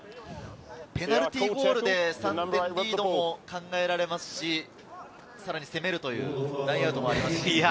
ペナルティーゴールで３点リードも考えられますし、さらに攻めるというラインアウトもあります。